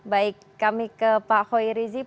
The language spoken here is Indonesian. baik kami ke pak khoy rizie